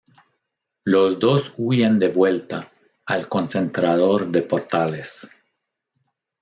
Los dos huyen de vuelta al concentrador de portales.